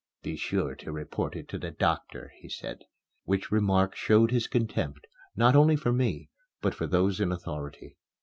"Be sure to report it to the doctor," he said, which remark showed his contempt, not only for me, but for those in authority.